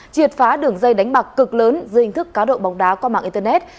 triệt phá đường dây đánh bạc cực lớn dưới hình thức cá độ bóng đá qua mạng internet